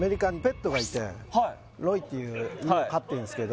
はいロイっていう犬飼ってんですけど